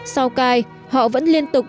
sau cai họ vẫn liên tục